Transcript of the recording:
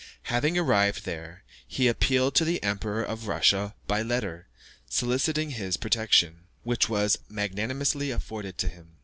Having arrived there, he appealed to the Emperor of Russia by letter, soliciting his protection, which was magnanimously afforded to him.